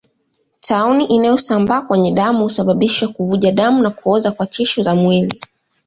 Tauni inayosambaa kwenye damu husababisha kuvuja damu na kuoza kwa tishu za mwili